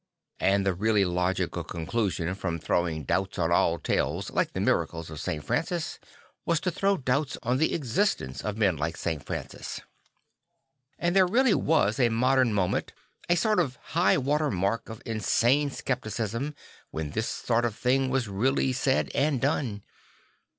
And the really logical conclusion from throwing doubts on all tales like the miracles of St. Francis was to throw doubts on the existence of men like St. Francis. And there really was a modem moment, a sort of high water mark of insane scepticism, when this sort of thing was really said or done.